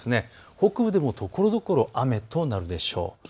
北部でもところどころ雨となるでしょう。